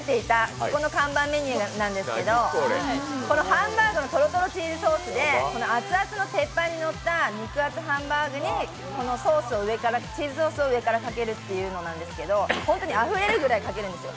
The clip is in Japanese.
ここの看板メニューなんですけど、このハンバーグのとろとろチーズソースで熱々の鉄板にのった肉厚ハンバーグに、このチーズソースを上からかけるというのなんですけど、本当にあふれるぐらいかけるんですよ。